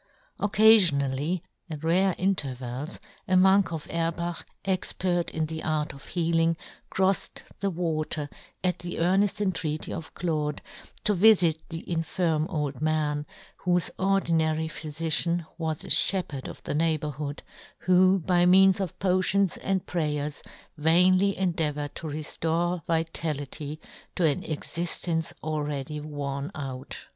Occa fionally, at rare intervals, a monk of 96 yohn Gutenberg. Erbach, expert in the art of heal ing, crofTed the water, at the earneft entreaty of Claude, to vifit the infirm old man, whofe ordinary phyfician was a fhepherd of the neighbour hood, who, by means of potions and prayers, vainly endeavoured to reftore vitality to an exiftence already worn out.